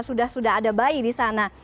sudah sudah ada bayi di sana